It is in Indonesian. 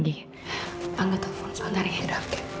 di kus chest sekarang hujan